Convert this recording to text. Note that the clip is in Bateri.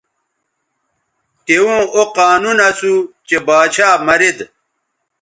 توؤں او قانون اسو چہء باچھا مرید